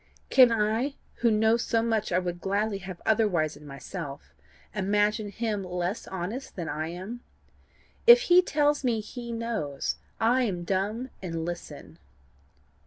Can I, who know so much I would gladly have otherwise in myself, imagine him less honest than I am? If he tells me he knows, I am dumb and listen.